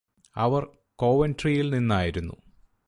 അവർ കോവന്ട്രിയില് നിന്നായിരുന്നു